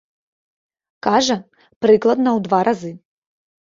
Кажа, прыкладна ў два разы.